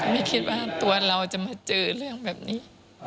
ไม่คิดว่าตัวเราจะมาเจอเรื่องแบบนี้